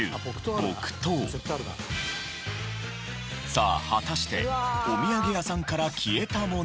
さあ果たしておみやげ屋さんから消えたものとは？